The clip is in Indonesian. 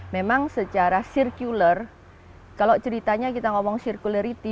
memang secara circular kalau ceritanya kita ngomong circularity